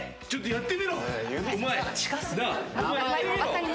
やってみろお前。